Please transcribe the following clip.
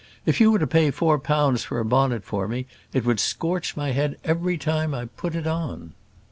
if you were to pay four pounds for a bonnet for me, it would scorch my head every time I put it on."